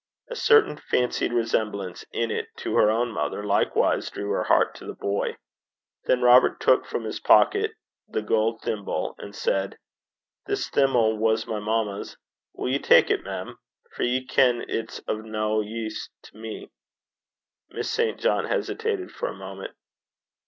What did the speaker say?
A certain fancied resemblance in it to her own mother likewise drew her heart to the boy. Then Robert took from his pocket the gold thimble, and said, 'This thimmel was my mamma's. Will ye tak it, mem, for ye ken it's o' nae use to me.' Miss St. John hesitated for a moment.